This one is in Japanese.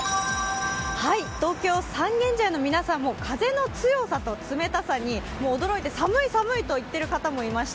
東京・三軒茶屋の皆さんも風の強さと冷たさに驚いて、寒い寒いと言っている方もいました。